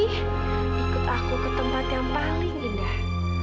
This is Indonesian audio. ih ikut aku ke tempat yang paling indah